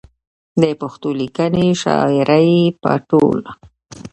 د پښتو ليکنۍ شاعرۍ په ټول